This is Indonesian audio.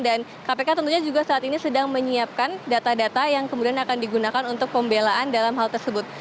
dan kpk tentunya juga saat ini sedang menyiapkan data data yang kemudian akan digunakan untuk pembelaan dalam hal tersebut